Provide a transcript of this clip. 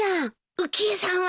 浮江さんは？